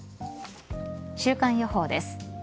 週間予報です。